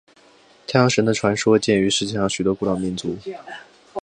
太阳神的传说见于世界上许多的古老民族。